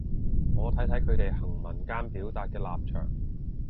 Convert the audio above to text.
我睇睇佢哋行文間表達嘅立場